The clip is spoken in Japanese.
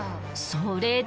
それで。